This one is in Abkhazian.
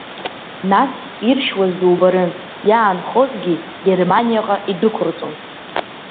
Нас, иршьуаз дубарын, иаанхозгьы Германиаҟа идәықәырҵон.